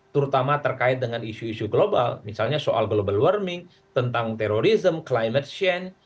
terutama terkait dengan isu isu global misalnya soal global warming tentang terorisme climate change